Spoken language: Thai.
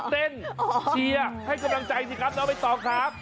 เต้นเชียสให้กำลังใจเนื้อไปต่อครับ